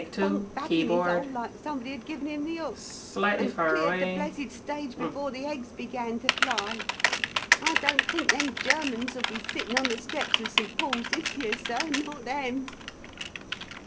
Bunked back in his 'ole like somebody had 'give him the hook,' and cleared the blessed stage before the eggs began to fly. I don't think them Germans 'ull be sittin' on the steps of St. Paul's this year, sir not them!"